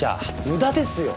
無駄ですよ！